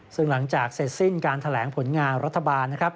ซึ่งหลังจากเสร็จสิ้นการแถลงผลงานรัฐบาลนะครับ